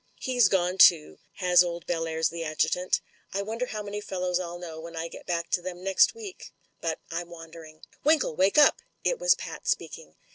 He's gone, too, has old Bellairs the adjutant. I wonder how many fellows I'll know when I get back to them next week ? But I'm wandering. "Winkle, wake up !" It was Pat speaking.